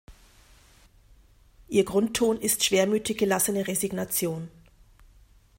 Ihr Grundton ist schwermütig gelassene Resignation.